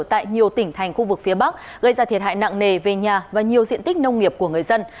tại nhiều tỉnh thành khu vực phía bắc gây ra thiệt hại nặng nề về nhà và nhiều diện tích nông nghiệp của người dân